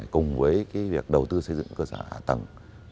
cùng với việc đầu tư xây dựng cơ sở hạ tầng